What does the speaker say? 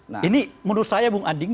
nah ini menurut saya bung ading